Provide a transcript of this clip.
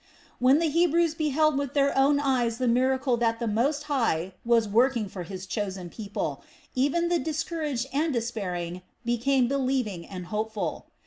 When the Hebrews beheld with their own eyes the miracle that the Most High was working for His chosen people, even the discouraged and despairing became believing and hopeful.